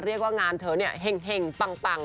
เรียกว่างานเธอเนี่ยเห็งปัง